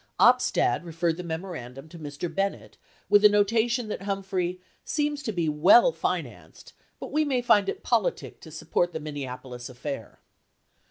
Opstad referred the memoran dum to Mr. Bennett with a notation that Humphrey "... seems to be well financed, but we may find it politic to support the Mpls [Minneapolis] affair."